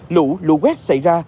lũ lũ quét xảy ra